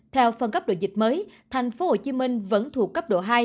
theo phân cấp độ dịch mới tp hcm vẫn thuộc cấp độ hai